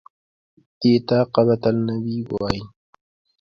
دې ته قبة النبي وایي.